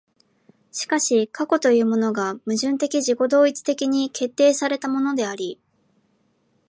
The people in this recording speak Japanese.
しかし過去というものが矛盾的自己同一的に決定せられたものであり、